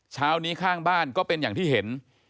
เช้านี้ข้างบ้านก็เป็นอย่างที่เห็น